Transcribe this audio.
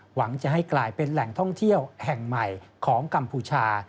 หวังจะให้กลายเป็นแหล่งท่องเที่ยวแห่งใหม่ของกัมพูชา